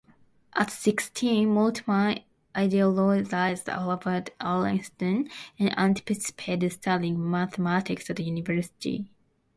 At sixteen, Moltmann idolized Albert Einstein, and anticipated studying mathematics at university.